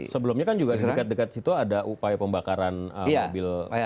sebelumnya kan juga di dekat dekat situ ada upaya pembakaran mobil